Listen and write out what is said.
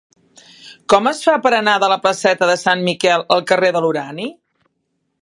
Com es fa per anar de la placeta de Sant Miquel al carrer de l'Urani?